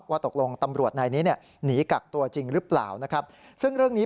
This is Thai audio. ว่า๑๐ตำรวจเอกนายนี้